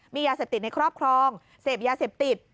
มียาเสพติดในครอบครองเสพยาเสพติด